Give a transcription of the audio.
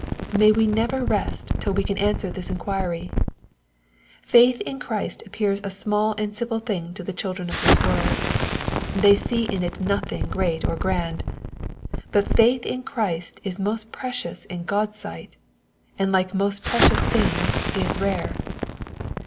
May we never rest till we can answer this inquiry ! Faith in Christ appears a small and simple thing to the children of this world. They see in it nothing great or grand. But faith in Christ is most precious in God's sight, and like most precious things, is rare.